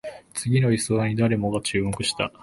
次の予想に誰もが注目した